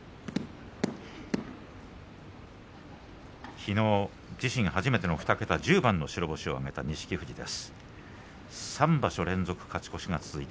きのう自身初めての２桁１０番の星を上げました錦富士です。